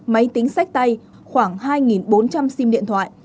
máy tính sách tay khoảng hai bốn trăm linh sim điện thoại